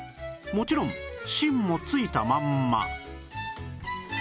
もちろん芯も付いたまんま